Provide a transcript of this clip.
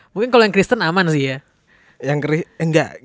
mungkin kalo yang kristen aman sih ya